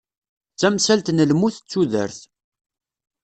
D tamsalt n lmut d tudert.